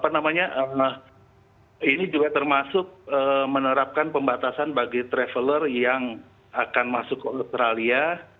ini juga termasuk menerapkan pembatasan bagi traveler yang akan masuk ke australia